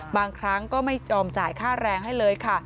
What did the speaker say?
บางครั้งก็ไม่ยอมจ่ายค่าแรงให้เลยค่ะ